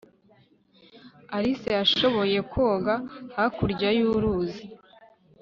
alice yashoboye koga hakurya y'uruzi